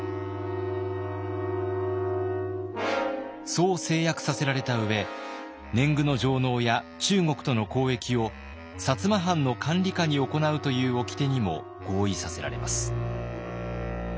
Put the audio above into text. そう誓約させられた上年貢の上納や中国との交易を摩藩の管理下に行うというおきてにも合意させられます。